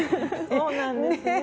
そうなんですね。